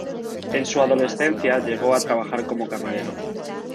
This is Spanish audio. En su adolescencia llegó a trabajar como camarero.